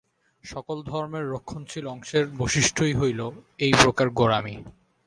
সকল ধর্মের রক্ষণশীল অংশের বৈশিষ্ট্যই হইল এইপ্রকার গোঁড়ামি।